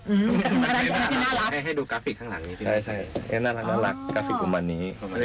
ให้ดูกราฟิกข้างหลังน่ารักกราฟิกอุมานนี้